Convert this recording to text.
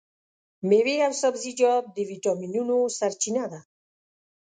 مېوې او سبزیجات د ویټامینونو سرچینه ده.